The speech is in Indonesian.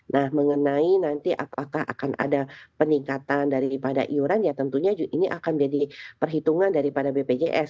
nah mengenai nanti apakah akan ada peningkatan daripada iuran ya tentunya ini akan jadi perhitungan daripada bpjs